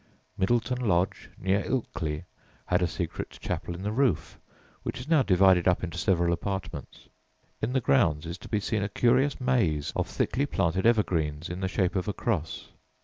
Myddleton Lodge, near Ilkley, had a secret chapel in the roof, which is now divided up into several apartments. In the grounds is to be seen a curious maze of thickly planted evergreens in the shape of a cross.